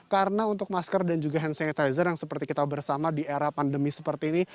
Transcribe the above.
karena untuk masker dan juga hand sanitizer yang seperti kita bersama di era pandemi seperti ini